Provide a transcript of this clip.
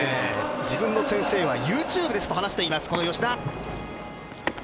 自分の先生はＹｏｕＴｕｂｅですと話しています、この吉田。